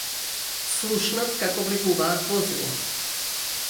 Слушнав како влегуваат возила.